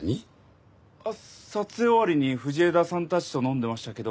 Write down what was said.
撮影終わりに藤枝さんたちと飲んでましたけど。